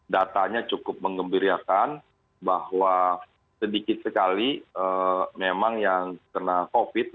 datanya cukup mengembirakan bahwa sedikit sekali memang yang kena covid